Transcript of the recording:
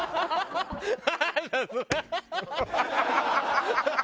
ハハハハ！